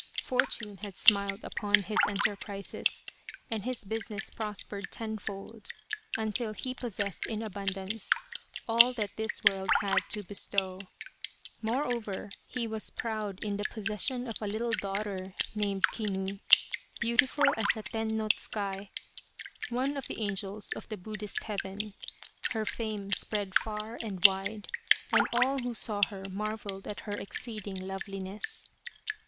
Fortune had smiled upon his enterprises, and his busi ness prospered tenfold, until he possessed in abundance all that this world had to bestow : more over, he was proud in the possession of a little daughter, named Kinu, beautiful as a ten no tsukai, one of the angels of the Buddhist heaven ; her fame spread far and wide, and ah 1 who saw her marvelled at her ex ceeding loveliness.